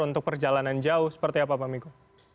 untuk perjalanan jauh seperti apa pak miko